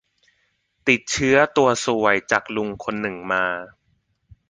ติดเชื้อตัวซวยจากลุงคนหนึ่งมา